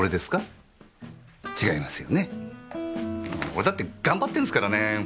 俺だって頑張ってんすからね